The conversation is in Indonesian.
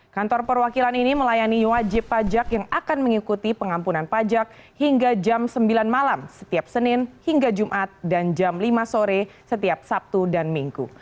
kantor perwakilan ini melayani wajib pajak yang akan mengikuti pengampunan pajak hingga jam sembilan malam setiap senin hingga jumat dan jam lima sore setiap sabtu dan minggu